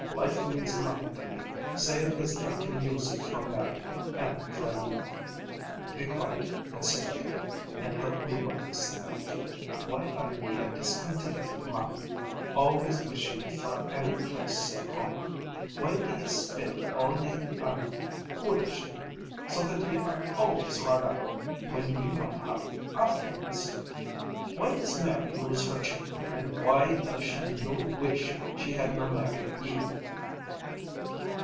"Life means nothing to me, save as I can use it fra Mary, and fra ye. Be quiet, and sit up here, and help me work this thing out. Why are ye a discontented mon, always wishing fra any place save home? Why do ye spend all ye earn foolishly, so that ye are always hard up, when ye might have affluence? Why does Mary lose her children, and why does she noo wish she had na married ye?"